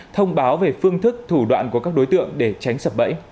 thông báo về phương thức thủ đoạn của các đối tượng để tránh sập bẫy